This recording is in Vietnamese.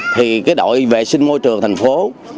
thì đội vệ sinh môi trường thành phố